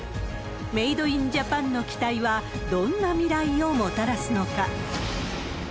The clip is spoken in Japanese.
メードインジャパンの機体は、どんな未来をもたらすのか。